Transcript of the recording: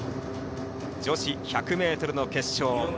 女子１００ｍの決勝。